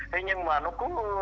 thế nhưng mà nó cũng na ná những cái